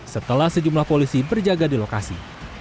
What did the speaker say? setelah sejumlah polisi berjaga di lokasi